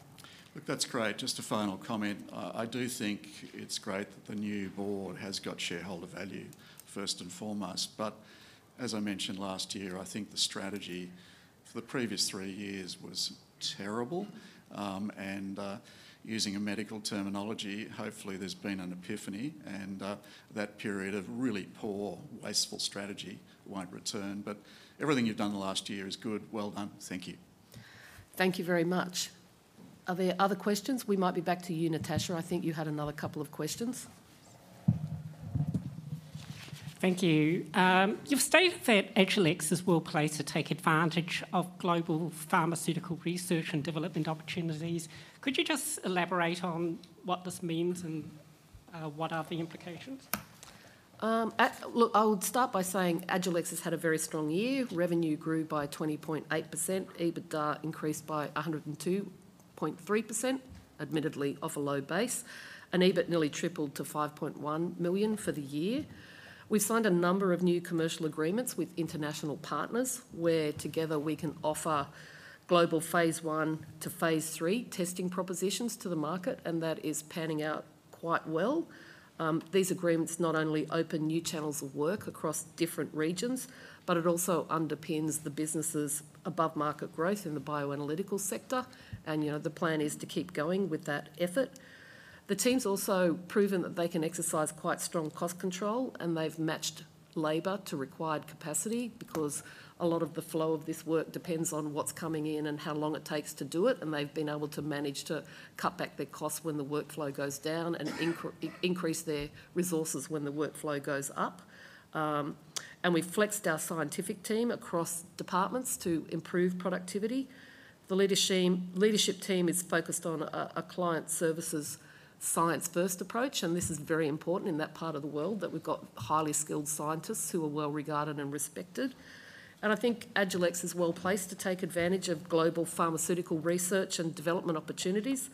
Speaker 3: Look, that's great. Just a final comment. I do think it's great that the new board has got shareholder value first and foremost. But as I mentioned last year, I think the strategy for the previous three years was terrible. And using medical terminology, hopefully there's been an epiphany and that period of really poor, wasteful strategy won't return. But everything you've done the last year is good. Well done. Thank you.
Speaker 6: Thank you very much. Are there other questions? We might be back to you, Natasha. I think you had another couple of questions.
Speaker 3: Thank you. You've stated that Agilex is well placed to take advantage of global pharmaceutical research and development opportunities. Could you just elaborate on what this means and what are the implications?
Speaker 1: Look, I would start by saying Agilex has had a very strong year. Revenue grew by 20.8%. EBITDA increased by 102.3%, admittedly off a low base. And EBIT nearly tripled to 5.1 million for the year. We've signed a number of new commercial agreements with international partners where together we can offer global phase one to phase three testing propositions to the market, and that is panning out quite well. These agreements not only open new channels of work across different regions, but it also underpins the business's above-market growth in the bioanalytical sector. And the plan is to keep going with that effort. The team's also proven that they can exercise quite strong cost control, and they've matched labor to required capacity because a lot of the flow of this work depends on what's coming in and how long it takes to do it. They've been able to manage to cut back their costs when the workflow goes down and increase their resources when the workflow goes up. We've flexed our scientific team across departments to improve productivity. The leadership team is focused on a client services science-first approach, and this is very important in that part of the world that we've got highly skilled scientists who are well regarded and respected. I think Agilex is well placed to take advantage of global pharmaceutical research and development opportunities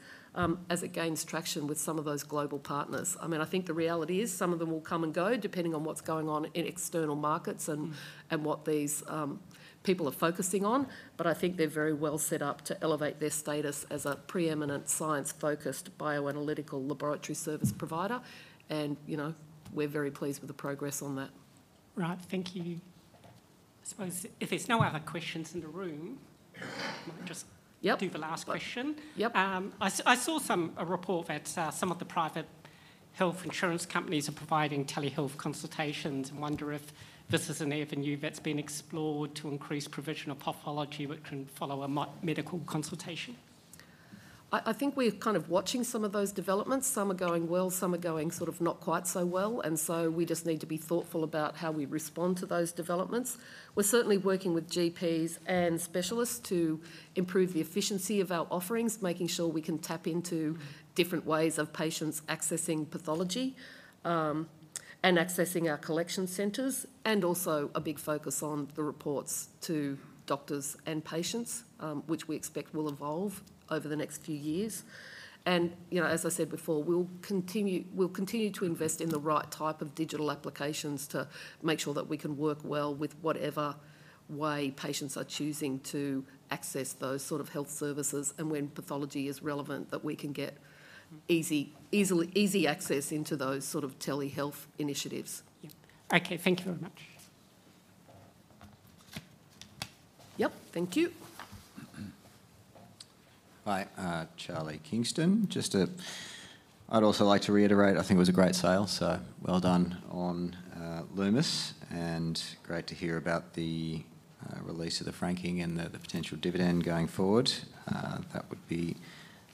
Speaker 1: as it gains traction with some of those global partners. I mean, I think the reality is some of them will come and go depending on what's going on in external markets and what these people are focusing on. I think they're very well set up to elevate their status as a preeminent science-focused bioanalytical laboratory service provider. We're very pleased with the progress on that.
Speaker 3: Right, thank you. I suppose if there's no other questions in the room, I might just do the last question.
Speaker 1: Yep. I saw a report that some of the private health insurance companies are providing telehealth consultations and wonder if this is an avenue that's been explored to increase provision of pathology which can follow a medical consultation. I think we're kind of watching some of those developments. Some are going well, some are going sort of not quite so well. And so we just need to be thoughtful about how we respond to those developments. We're certainly working with GPs and specialists to improve the efficiency of our offerings, making sure we can tap into different ways of patients accessing pathology and accessing our collection centers, and also a big focus on the reports to doctors and patients, which we expect will evolve over the next few years. And as I said before, we'll continue to invest in the right type of digital applications to make sure that we can work well with whatever way patients are choosing to access those sort of health services. And when pathology is relevant, that we can get easy access into those sort of telehealth initiatives.
Speaker 3: Okay, thank you very much.
Speaker 1: Yep, thank you.
Speaker 7: Hi, Charlie Kingston. I'd also like to reiterate. I think it was a great sale so well done on Lumus, and great to hear about the release of the franking and the potential dividend going forward. That would be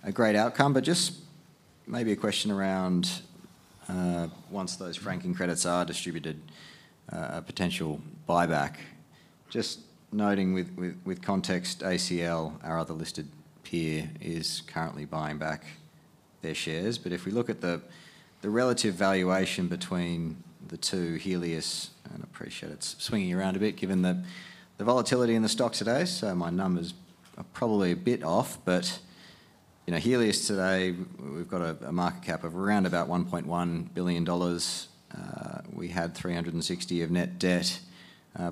Speaker 7: a great outcome but just maybe a question around once those franking credits are distributed, a potential buyback. Just noting with context, ACL, our other listed peer, is currently buying back their shares but if we look at the relative valuation between the two, Healius and ACL, it's swinging around a bit given the volatility in the stock today so my numbers are probably a bit off but Healius today, we've got a market cap of around about 1.1 billion dollars. We had 360 million of net debt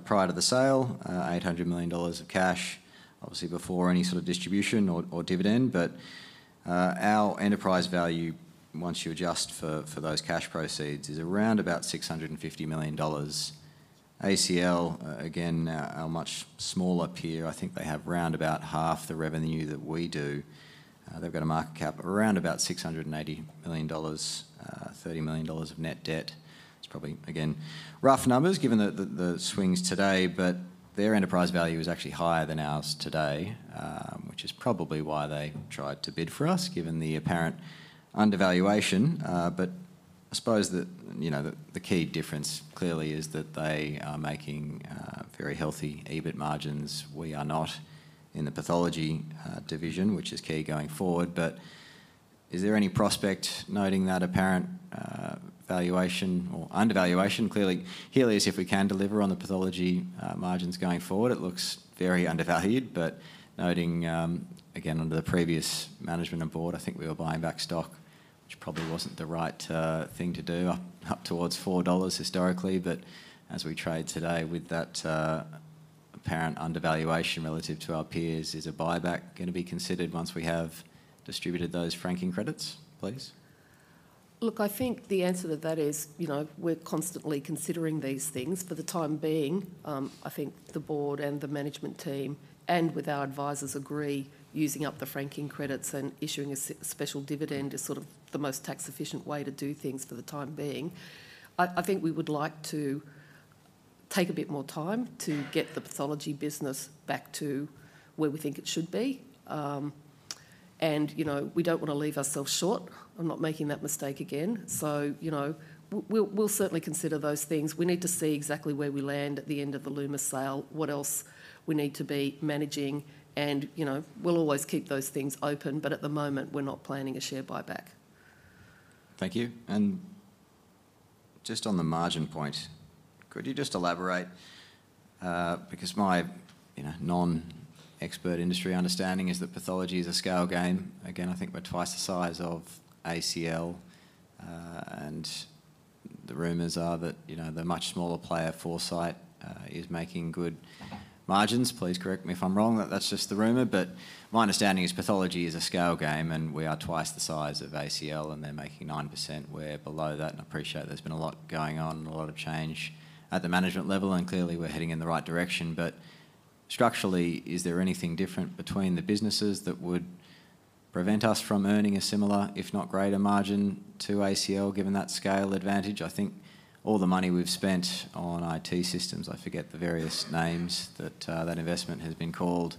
Speaker 7: prior to the sale, 800 million dollars of cash, obviously before any sort of distribution or dividend. But our enterprise value, once you adjust for those cash proceeds, is around about 650 million dollars. ACL, again, a much smaller peer. I think they have round about half the revenue that we do. They've got a market cap of around about 680 million dollars, 30 million dollars of net debt. It's probably, again, rough numbers given the swings today, but their enterprise value is actually higher than ours today, which is probably why they tried to bid for us given the apparent undervaluation. But I suppose that the key difference clearly is that they are making very healthy EBIT margins. We are not in the pathology division, which is key going forward. But is there any prospect noting that apparent valuation or undervaluation? Clearly, Healius, if we can deliver on the pathology margins going forward, it looks very undervalued. But noting, again, under the previous management and board, I think we were buying back stock, which probably wasn't the right thing to do up towards 4 dollars historically. But as we trade today with that apparent undervaluation relative to our peers, is a buyback going to be considered once we have distributed those franking credits, please?
Speaker 1: Look, I think the answer to that is we're constantly considering these things for the time being. I think the board and the management team and with our advisors agree using up the franking credits and issuing a special dividend is sort of the most tax-efficient way to do things for the time being. I think we would like to take a bit more time to get the pathology business back to where we think it should be. And we don't want to leave ourselves short. I'm not making that mistake again. So we'll certainly consider those things. We need to see exactly where we land at the end of the Lumus sale, what else we need to be managing. And we'll always keep those things open, but at the moment, we're not planning a share buyback. Thank you. And just on the margin point, could you just elaborate? Because my non-expert industry understanding is that pathology is a scale game. Again, I think we're twice the size of ACL. And the rumors are that the much smaller player 4Cyte is making good margins. Please correct me if I'm wrong. That's just the rumor. But my understanding is pathology is a scale game, and we are twice the size of ACL, and they're making 9%. We're below that, and I appreciate there's been a lot going on, a lot of change at the management level, and clearly we're heading in the right direction. But structurally, is there anything different between the businesses that would prevent us from earning a similar, if not greater margin to ACL given that scale advantage? I think all the money we've spent on IT systems, I forget the various names that that investment has been called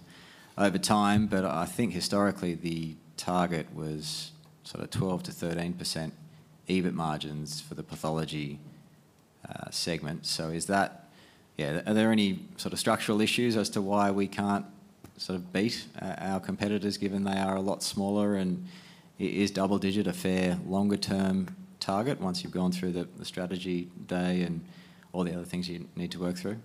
Speaker 1: over time, but I think historically the target was sort of 12%-13% EBIT margins for the pathology segment. So is that, yeah, are there any sort of structural issues as to why we can't sort of beat our competitors given they are a lot smaller? And is double-digit a fair longer-term target once you've gone through the strategy day and all the other things you need to work through?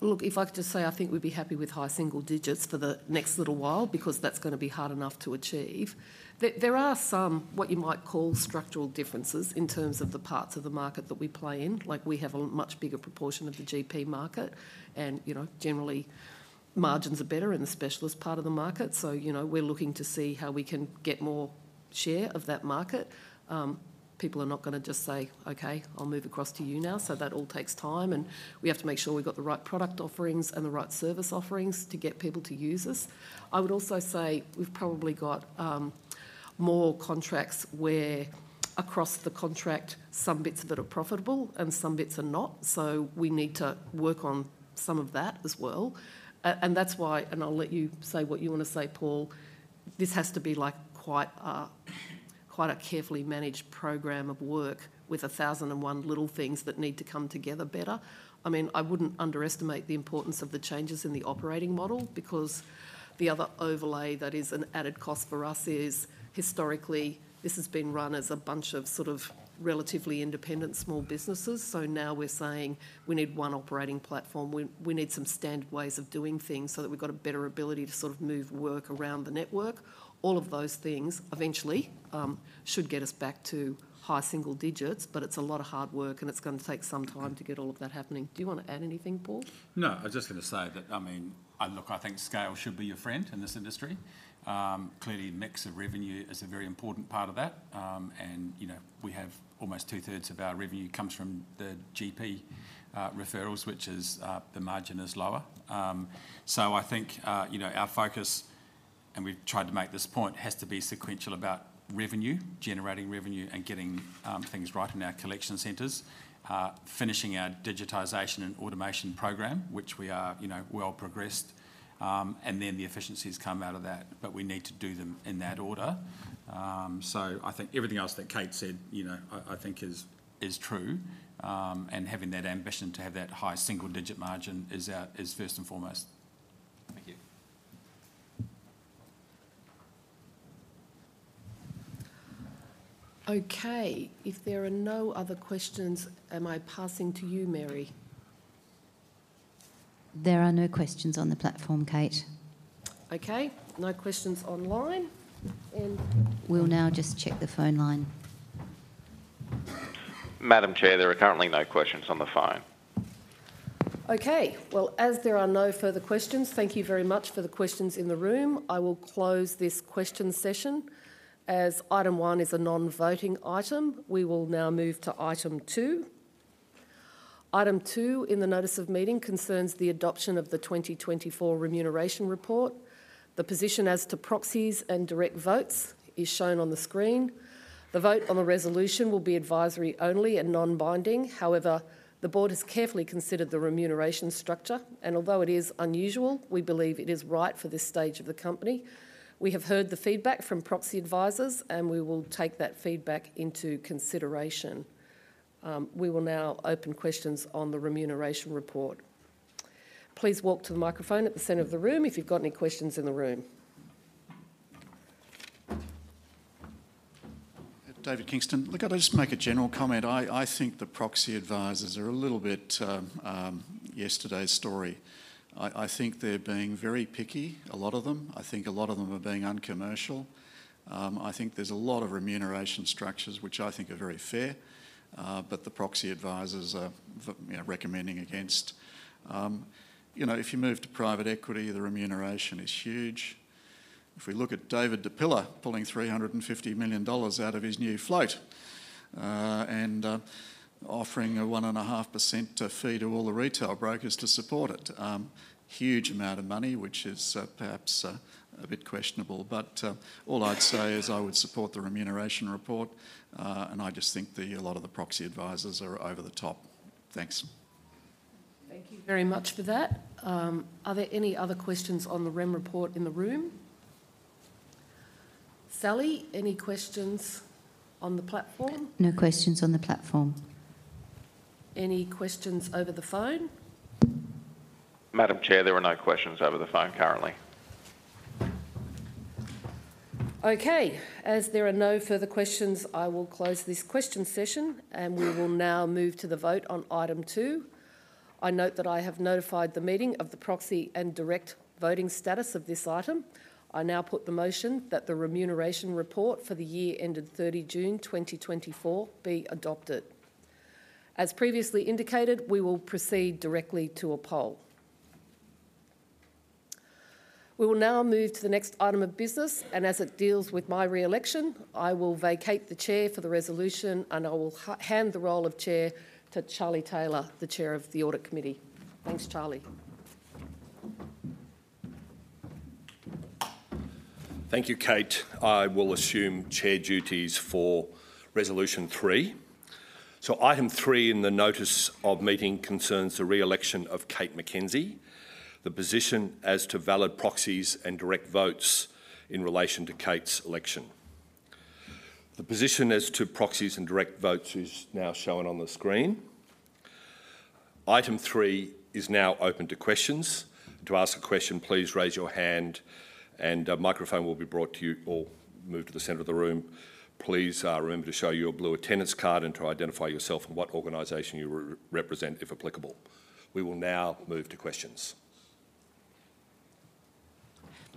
Speaker 1: Look, if I could just say, I think we'd be happy with high single digits for the next little while because that's going to be hard enough to achieve. There are some what you might call structural differences in terms of the parts of the market that we play in. Like we have a much bigger proportion of the GP market, and generally margins are better in the specialist part of the market. So we're looking to see how we can get more share of that market. People are not going to just say, "Okay, I'll move across to you now." So that all takes time, and we have to make sure we've got the right product offerings and the right service offerings to get people to use us. I would also say we've probably got more contracts where across the contract, some bits of it are profitable and some bits are not. So we need to work on some of that as well. And that's why, and I'll let you say what you want to say, Paul, this has to be quite a carefully managed program of work with 1,001 little things that need to come together better. I mean, I wouldn't underestimate the importance of the changes in the operating model because the other overlay that is an added cost for us is historically this has been run as a bunch of sort of relatively independent small businesses. So now we're saying we need one operating platform. We need some standard ways of doing things so that we've got a better ability to sort of move work around the network. All of those things eventually should get us back to high single digits, but it's a lot of hard work, and it's going to take some time to get all of that happening. Do you want to add anything, Paul?
Speaker 2: No, I was just going to say that, I mean, look, I think scale should be your friend in this industry. Clearly, mix of revenue is a very important part of that. And we have almost two-thirds of our revenue comes from the GP referrals, which is the margin is lower. So I think our focus, and we've tried to make this point, has to be sequential about revenue, generating revenue, and getting things right in our collection centers, finishing our digitization and automation program, which we are well progressed. And then the efficiencies come out of that, but we need to do them in that order. So I think everything else that Kate said, I think is true. And having that ambition to have that high single-digit margin is first and foremost.
Speaker 3: Thank you.
Speaker 1: Okay, if there are no other questions, am I passing to you, Mary?
Speaker 5: There are no questions on the platform, Kate.
Speaker 1: Okay, no questions online.
Speaker 5: We'll now just check the phone line.
Speaker 8: Madam Chair, there are currently no questions on the phone.
Speaker 1: Okay, well, as there are no further questions, thank you very much for the questions in the room. I will close this question session. As item one is a non-voting item, we will now move to item two. Item two in the notice of meeting concerns the adoption of the 2024 remuneration report. The position as to proxies and direct votes is shown on the screen. The vote on the resolution will be advisory only and non-binding. However, the board has carefully considered the remuneration structure, and although it is unusual, we believe it is right for this stage of the company. We have heard the feedback from proxy advisors, and we will take that feedback into consideration. We will now open questions on the remuneration report. Please walk to the microphone at the center of the room if you've got any questions in the room.
Speaker 9: David Kingston, look, I'll just make a general comment. I think the proxy advisors are a little bit yesterday's story. I think they're being very picky, a lot of them. I think a lot of them are being uncommercial. I think there's a lot of remuneration structures, which I think are very fair, but the proxy advisors are recommending against. If you move to private equity, the remuneration is huge. If we look at David Di Pilla, pulling 350 million dollars out of his new float and offering a 1.5% fee to all the retail brokers to support it, huge amount of money, which is perhaps a bit questionable. But all I'd say is I would support the remuneration report, and I just think a lot of the proxy advisors are over the top. Thanks.
Speaker 1: Thank you very much for that. Are there any other questions on the Remuneration Report in the room? Sally, any questions on the platform?
Speaker 6: No questions on the platform.
Speaker 1: Any questions over the phone?
Speaker 8: Madam Chair, there are no questions over the phone currently.
Speaker 1: Okay, as there are no further questions, I will close this question session, and we will now move to the vote on item two. I note that I have notified the meeting of the proxy and direct voting status of this item. I now put the motion that the Remuneration Report for the year ended 30 June 2024 be adopted. As previously indicated, we will proceed directly to a poll. We will now move to the next item of business. And as it deals with my re-election, I will vacate the chair for the resolution, and I will hand the role of chair to Charlie Taylor, the Chair of the Audit Committee. Thanks, Charlie.
Speaker 10: Thank you, Kate. I will assume chair duties for resolution three. So item three in the notice of meeting concerns the re-election of Kate McKenzie, the position as to valid proxies and direct votes in relation to Kate's election. The position as to proxies and direct votes is now shown on the screen. Item three is now open to questions. To ask a question, please raise your hand, and a microphone will be brought to you or moved to the center of the room. Please remember to show your blue attendance card and to identify yourself and what organization you represent, if applicable. We will now move to questions.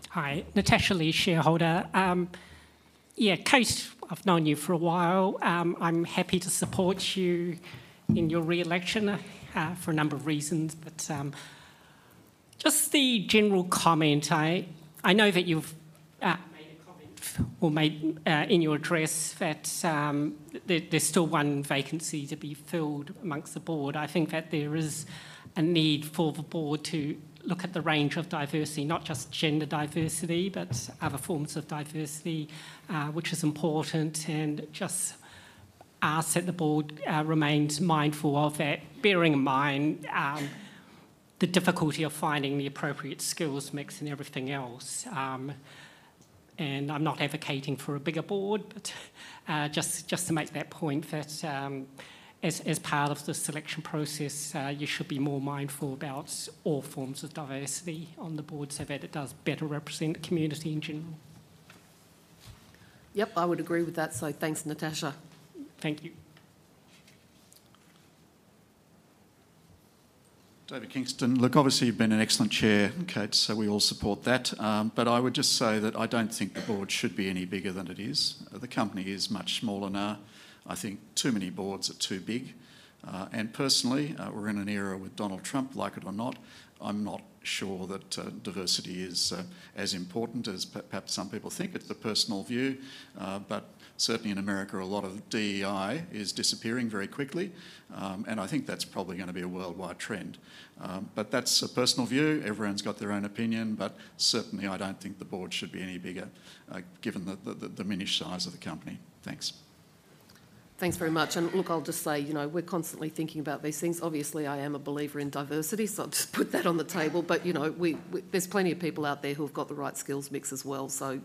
Speaker 3: Hi, Natasha Lee, shareholder. Yeah, Kate, I've known you for a while. I'm happy to support you in your re-election for a number of reasons, but just the general comment. I know that you've made a comment or made in your address that there's still one vacancy to be filled among the board. I think that there is a need for the board to look at the range of diversity, not just gender diversity, but other forms of diversity, which is important, and I just ask that the board remains mindful of that, bearing in mind the difficulty of finding the appropriate skills mix and everything else. I'm not advocating for a bigger board, but just to make that point that as part of the selection process, you should be more mindful about all forms of diversity on the board so that it does better represent the community in general.
Speaker 1: Yep, I would agree with that. So thanks, Natasha.
Speaker 3: Thank you.
Speaker 9: David Kingston, look, obviously you've been an excellent chair, Kate, so we all support that. But I would just say that I don't think the board should be any bigger than it is. The company is much smaller now. I think too many boards are too big. And personally, we're in an era with Donald Trump, like it or not. I'm not sure that diversity is as important as perhaps some people think. It's a personal view. But certainly in America, a lot of DEI is disappearing very quickly. And I think that's probably going to be a worldwide trend. But that's a personal view. Everyone's got their own opinion. But certainly, I don't think the board should be any bigger given the diminished size of the company. Thanks.
Speaker 1: Thanks very much. And look, I'll just say, you know, we're constantly thinking about these things. Obviously, I am a believer in diversity, so I'll just put that on the table. But there's plenty of people out there who've got the right skills mix as well. So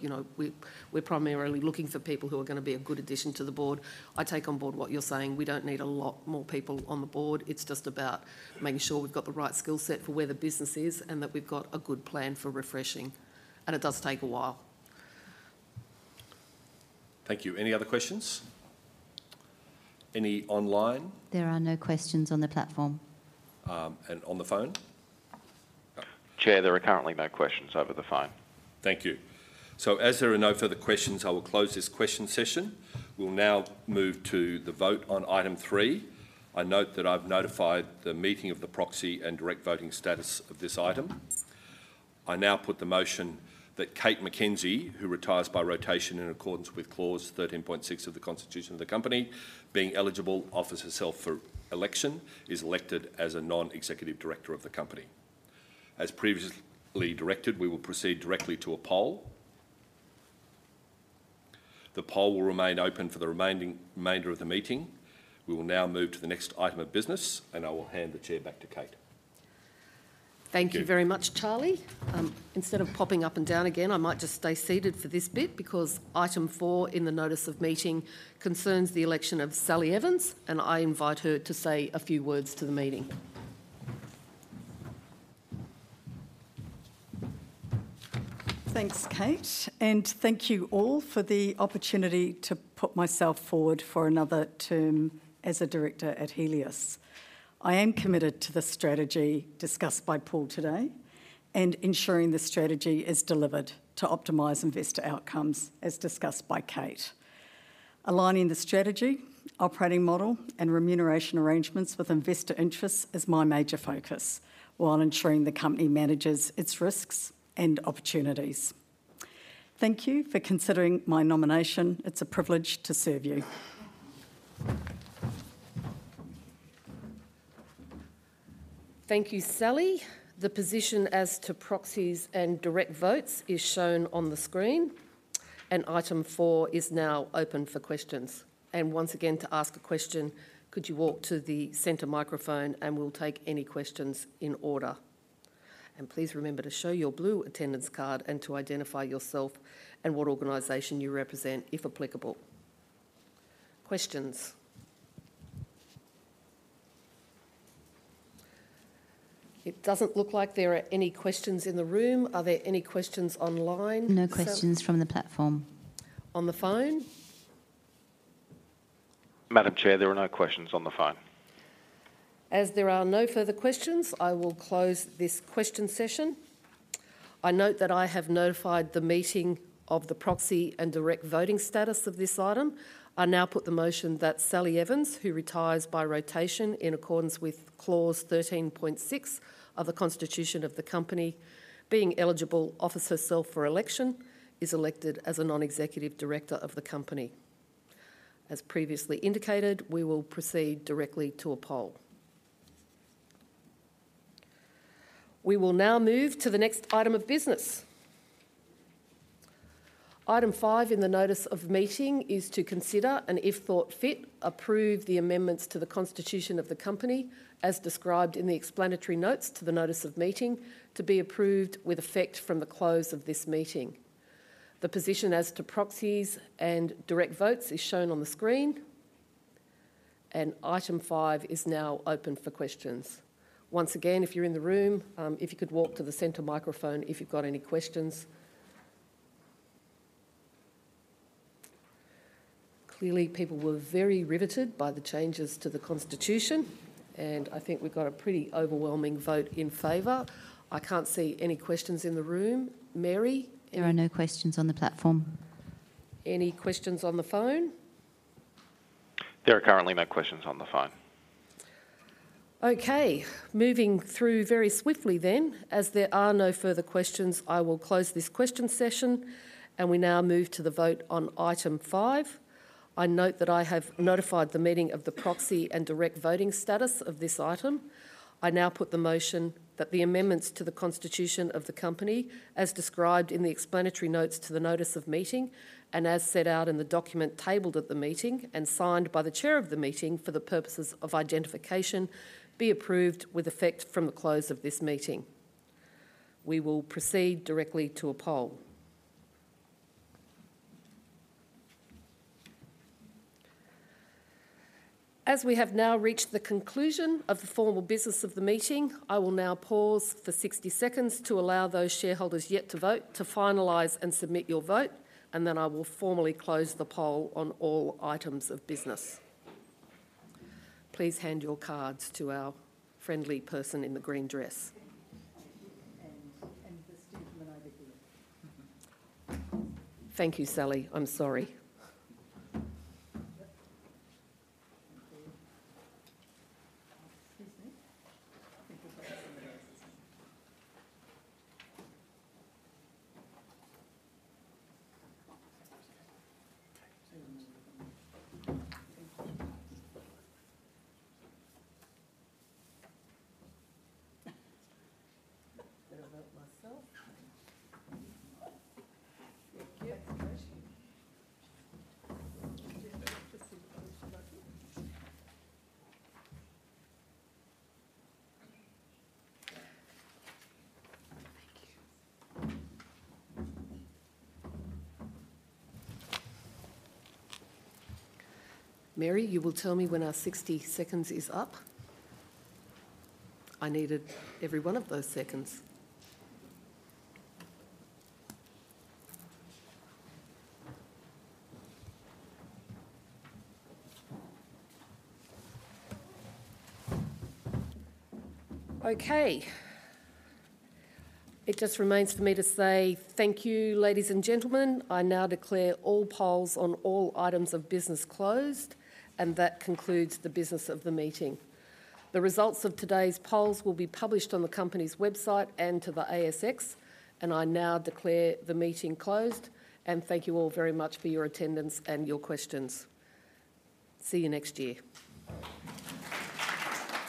Speaker 1: we're primarily looking for people who are going to be a good addition to the board. I take on board what you're saying. We don't need a lot more people on the board. It's just about making sure we've got the right skill set for where the business is and that we've got a good plan for refreshing. And it does take a while.
Speaker 10: Thank you. Any other questions? Any online?
Speaker 5: There are no questions on the platform.
Speaker 2: On the phone?
Speaker 8: Chair, there are currently no questions over the phone.
Speaker 10: Thank you. So as there are no further questions, I will close this question session. We'll now move to the vote on item three. I note that I've notified the meeting of the proxy and direct voting status of this item. I now put the motion that Kate McKenzie, who retires by rotation in accordance with clause 13.6 of the constitution of the company, being eligible, offers herself for election, is elected as a non-executive director of the company. As previously directed, we will proceed directly to a poll. The poll will remain open for the remainder of the meeting. We will now move to the next item of business, and I will hand the chair back to Kate.
Speaker 1: Thank you very much, Charlie. Instead of popping up and down again, I might just stay seated for this bit because item four in the notice of meeting concerns the election of Sally Evans, and I invite her to say a few words to the meeting.
Speaker 6: Thanks, Kate, and thank you all for the opportunity to put myself forward for another term as a director at Healius. I am committed to the strategy discussed by Paul today and ensuring the strategy is delivered to optimize investor outcomes as discussed by Kate. Aligning the strategy, operating model, and remuneration arrangements with investor interests is my major focus while ensuring the company manages its risks and opportunities. Thank you for considering my nomination. It's a privilege to serve you.
Speaker 1: Thank you, Sally. The position as to proxies and direct votes is shown on the screen. And item four is now open for questions. And once again, to ask a question, could you walk to the center microphone, and we'll take any questions in order. And please remember to show your blue attendance card and to identify yourself and what organization you represent, if applicable. Questions? It doesn't look like there are any questions in the room. Are there any questions online?
Speaker 5: No questions from the platform.
Speaker 1: On the phone?
Speaker 8: Madam Chair, there are no questions on the phone.
Speaker 1: As there are no further questions, I will close this question session. I note that I have notified the meeting of the proxy and direct voting status of this item. I now put the motion that Sally Evans, who retires by rotation in accordance with clause 13.6 of the constitution of the company, being eligible, offers herself for election, is elected as a non-executive director of the company. As previously indicated, we will proceed directly to a poll. We will now move to the next item of business. Item five in the notice of meeting is to consider, and if thought fit, approve the amendments to the constitution of the company as described in the explanatory notes to the notice of meeting to be approved with effect from the close of this meeting. The position as to proxies and direct votes is shown on the screen. Item five is now open for questions. Once again, if you're in the room, if you could walk to the center microphone if you've got any questions. Clearly, people were very riveted by the changes to the Constitution, and I think we've got a pretty overwhelming vote in favor. I can't see any questions in the room. Mary.
Speaker 5: There are no questions on the platform.
Speaker 1: Any questions on the phone?
Speaker 8: There are currently no questions on the phone.
Speaker 1: Okay, moving through very swiftly then. As there are no further questions, I will close this question session, and we now move to the vote on item five. I note that I have notified the meeting of the proxy and direct voting status of this item. I now put the motion that the amendments to the constitution of the company as described in the explanatory notes to the notice of meeting and as set out in the document tabled at the meeting and signed by the chair of the meeting for the purposes of identification be approved with effect from the close of this meeting. We will proceed directly to a poll. As we have now reached the conclusion of the formal business of the meeting, I will now pause for 60 seconds to allow those shareholders yet to vote to finalize and submit your vote, and then I will formally close the poll on all items of business. Please hand your cards to our friendly person in the green dress.
Speaker 6: Thank you. And the question from over here.
Speaker 1: Thank you, Sally. I'm sorry. Mary, you will tell me when our 60 seconds is up. I needed every one of those seconds. Okay. It just remains for me to say thank you, ladies and gentlemen. I now declare all polls on all items of business closed, and that concludes the business of the meeting. The results of today's polls will be published on the company's website and to the ASX, and I now declare the meeting closed. And thank you all very much for your attendance and your questions. See you next year.